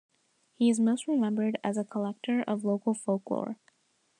He is most remembered as a collector of local folklore.